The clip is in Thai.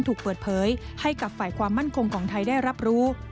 ถูกเปิดเผยให้กับฝ่ายความมั่นคงของไทยได้รับรู้